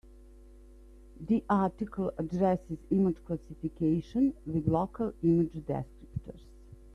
The article addresses image classification with local image descriptors.